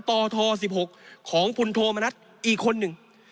ปท๑๖ของพลโทมนัฐอีกคนหนึ่ง